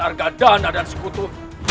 arga dana dan sekutu